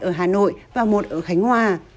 một ở hà nội và một ở khánh hòa